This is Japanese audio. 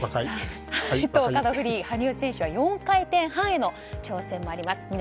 あさってのフリー、羽生選手は４回転半への挑戦もあります。